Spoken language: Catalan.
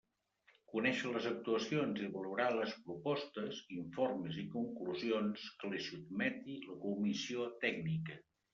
Conèixer les actuacions i valorar les propostes, informes i conclusions que li sotmeti la Comissió Tècnica.